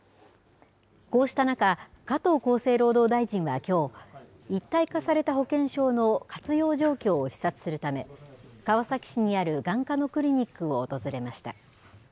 こうした中、加藤厚生労働大臣はきょう、一体化された保険証の活用状況を視察するため、川崎市にある眼科のクリニックを訪れました。